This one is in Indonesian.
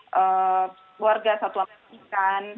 keluarga satu sama ikan